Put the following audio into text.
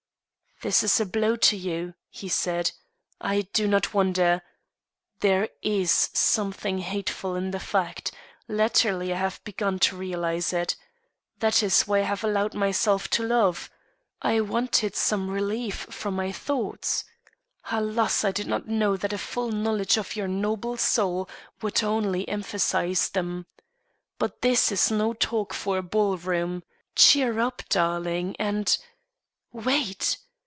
"This is a blow to you," he said. "I do not wonder; there is something hateful in the fact; latterly I have begun to realize it. That is why I have allowed myself to love. I wanted some relief from my thoughts. Alas! I did not know that a full knowledge of your noble soul would only emphasize them. But this is no talk for a ballroom. Cheer up, darling, and " "Wait!"